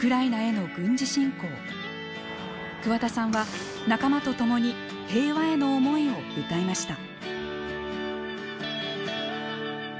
桑田さんは仲間と共に平和への思いを歌いました。